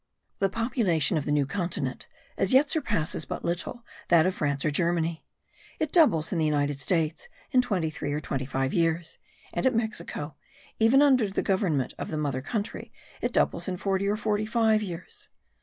The population of the New Continent as yet surpasses but little that of France or Germany. It doubles in the United States in twenty three or twenty five years; and at Mexico, even under the government of the mother country, it doubles in forty or forty five years.